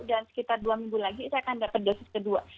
dan sekitar dua minggu lagi saya akan dapat dosis kedua